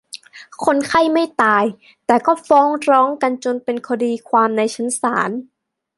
คนไข้ไม่ตาย แต่ก็ฟ้องร้องกันจนเป็นคดีความในชั้นศาล